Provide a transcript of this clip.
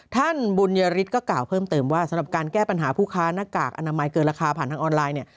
ท่านบุญยฤทธิก็กล่าวเพิ่มเติมว่าสำหรับการแก้ปัญหาผู้ค้าหน้ากากอนามัยเกินราคาผ่านทางออนไลน์เนี่ย